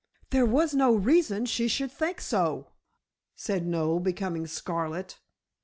"There was no reason she should think so," said Noel, becoming scarlet.